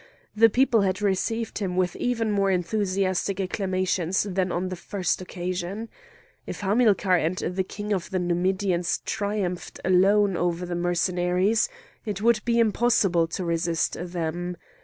The people had received him with even more enthusiastic acclamations than on the first occasion. If Hamilcar and the King of the Numidians triumphed alone over the Mercenaries it would be impossible to resist them.